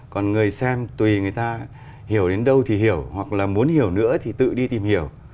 còn người xem tùy người ta hiểu đến đâu thì hiểu hoặc là muốn hiểu nữa thì tự đi tìm hiểu